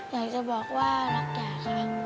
อยากจะบอกว่ารักยายค่ะ